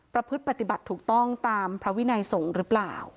พฤติปฏิบัติถูกต้องตามพระวินัยสงฆ์หรือเปล่า